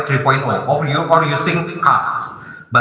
atau anda menggunakan kartu